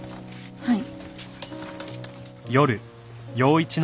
はい。